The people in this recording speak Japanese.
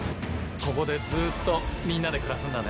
ここでずっとみんなで暮らすんだね。